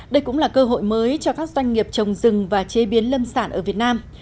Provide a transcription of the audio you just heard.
đây cũng là cơ hội mới cho các doanh nghiệp trồng rừng và chế biến lâm sản ở việt nam